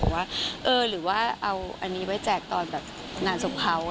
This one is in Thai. ว่าเออหรือว่าเอาอันนี้ไว้แจกตอนแบบงานศพเขา